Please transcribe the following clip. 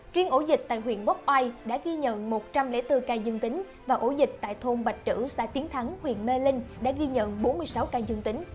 riêng ổ dịch tại huyện quốc oai đã ghi nhận một trăm linh bốn ca dương tính và ổ dịch tại thôn bạch trữ xã tiến thắng huyện mê linh đã ghi nhận bốn mươi sáu ca dương tính